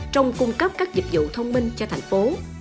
trong cung cấp các dịch vụ thông minh cho thành phố